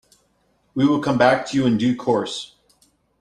We will come back to you in due course.